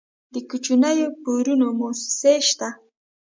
د کوچنیو پورونو موسسې شته؟